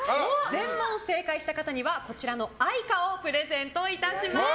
全問正解した方にはこちらのＡｉｃａをプレゼントいたします。